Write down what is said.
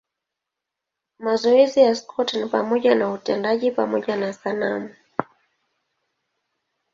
Mazoezi ya Scott ni pamoja na utendaji pamoja na sanamu.